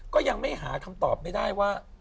ก็ยังไม่หาคำตอบไม่ได้ว่า